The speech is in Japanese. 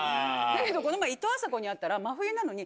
だけどこの前いとうあさこに会ったら。